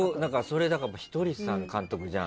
ひとりさんが監督じゃん。